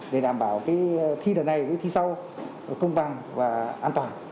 để đảm bảo thi đợt này với thi sau công bằng và an toàn